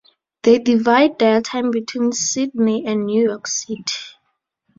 They divide their time between Sydney and New York City.